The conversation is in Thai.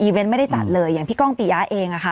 เวนต์ไม่ได้จัดเลยอย่างพี่ก้องปียะเองอะค่ะ